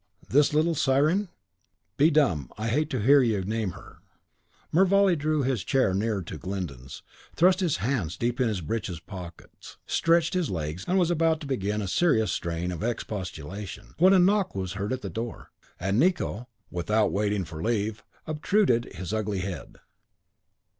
This little siren?" "Be dumb! I hate to hear you name her." Mervale drew his chair nearer to Glyndon's, thrust his hands deep in his breeches pockets, stretched his legs, and was about to begin a serious strain of expostulation, when a knock was heard at the door, and Nicot, without waiting for leave, obtruded his ugly head.